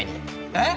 えっ！？